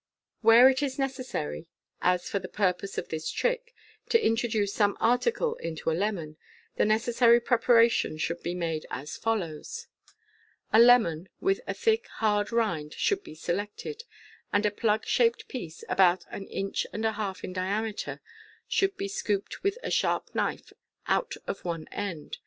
Where it is necessary, as for the purpose of this trick, to introduce some article into a lemon, the necessary preparation should be made MODEkN MAGIC. *49 as follows :— A lemon with a thick hard rind should be selected, and a plug shaped piece, about an inch and a half in diameter, should be scooped with a sharp knife out of one end.